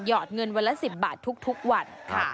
อดเงินวันละ๑๐บาททุกวัน